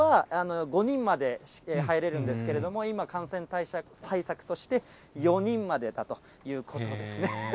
本当は、５人まで入れるんですけれども、今、感染対策として、４人までだということですね。